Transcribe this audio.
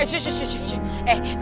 eh sih sih sih sih sih